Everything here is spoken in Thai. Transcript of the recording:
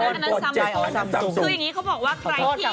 คืออย่างนี้เขาบอกว่า